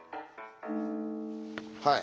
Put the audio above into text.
はい。